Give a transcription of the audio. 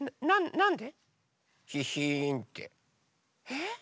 なんで？